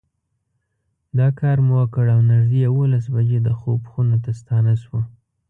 دا کار مو وکړ او نږدې یوولس بجې د خوب خونو ته ستانه شوو.